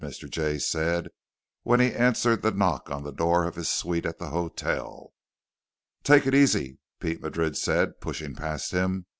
Mr. Jay said when he answered the knock on the door of his suite at the hotel. "Take it easy," Pete Madrid said, pushing past him.